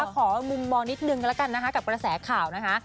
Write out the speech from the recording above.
ขอมุมมองนิดนึงกันแล้วกันนะคะกับกระแสข่าวนะคะ